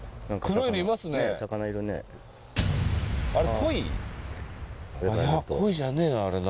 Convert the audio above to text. コイじゃねえなあれな。